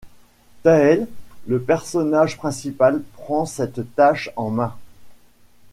Thael, le personnage principal, prend cette tâche en main.